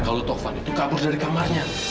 kalau tovan itu kabur dari kamarnya